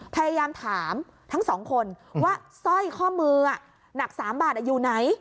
พยายามถามทั้งสองคนว่าสร้อยข้อมือหนัก๓บาทอยู่ไหน